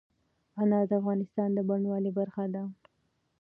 انار د افغانستان د بڼوالۍ برخه ده.